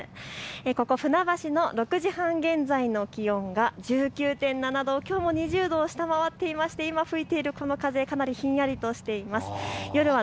ここ船橋の６時半現在の気温が１９．７度きょうも２０度を下回っていまして今吹いているこの風、かなりひんやりとしています。